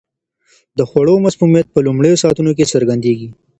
د خوړو مسمومیت په لومړیو ساعتونو کې څرګندیږي.